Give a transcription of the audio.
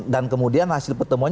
dan kemudian hasil pertemuan